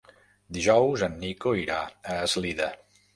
Dijous en Nico irà a Eslida.